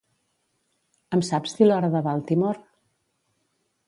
Em saps dir l'hora de Baltimore?